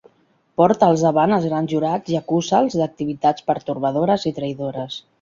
Porta'ls davant els grans jurats i acusa'ls d'activitats pertorbadores i traïdores.